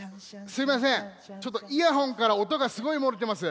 すいませんちょっとイヤホンからおとがすごいもれてます。